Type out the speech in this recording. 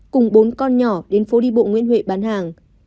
cùng bốn con nhỏ đến phố đi bộ nguyễn huệ bán hàng